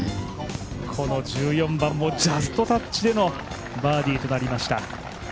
この１４番もジャストタッチでのバーディーとなりました。